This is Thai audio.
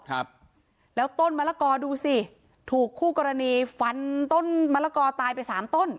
ครับแล้วต้นมะละกอดูสิถูกคู่กรณีฟันต้นมะละกอตายไปสามต้น